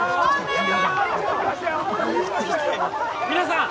皆さん！